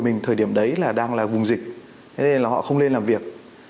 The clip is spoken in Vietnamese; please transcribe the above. mình thời điểm đấy là đang là vùng dịch nên là họ không nên làm việc